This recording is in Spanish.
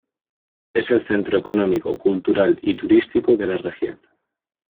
Es el centro económico, cultural y turístico de la región.